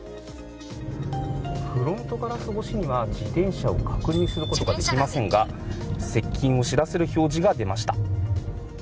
フロントガラス越しには自転車を確認することができませんが、接近を知らせる表示が出ました。